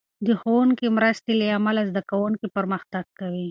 د ښوونکې مرستې له امله، زده کوونکي پرمختګ کوي.